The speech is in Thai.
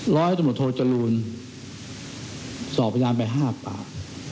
ร้อยโดโทษลูนสอบพญานไป๕ปาก